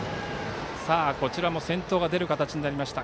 こちらも先頭が出る形になりました。